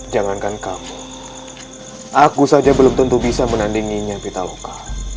jangankan kamu aku saja belum tentu bisa menandinginya pitaloka